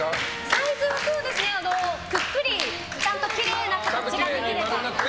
サイズはぷっくりちゃんときれいな形ができれば。